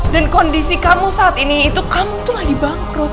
dan kondisi kamu saat ini itu kamu tuh lagi bangkrut